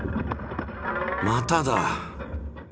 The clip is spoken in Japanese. まただ！